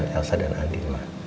pertamilan elsa dan andi